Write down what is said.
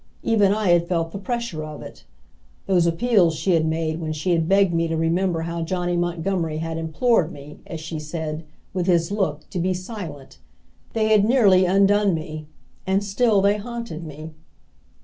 Even I had felt the pressure of it. Those appeals she had made when she had begged me to remember how Johnny Montgomery had implored me, as she said, with his look, to be silent they had nearly undone me, and still they haunted me.